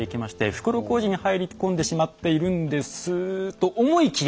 袋小路に入り込んでしまっているんですと思いきや。